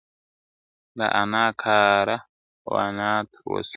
دا نا کاره و نا ترسه